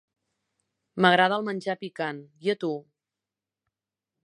M'agrada el menjar picant, i a tu?